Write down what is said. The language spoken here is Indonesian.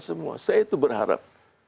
saya itu berharap